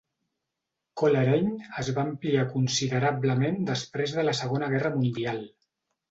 Coleraine es va ampliar considerablement després de la Segona Guerra Mundial.